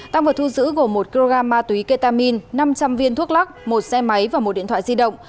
tăng vật thu giữ gồm một kg ma túy ketamin năm trăm linh viên thuốc lắc một xe máy và một điện thoại di động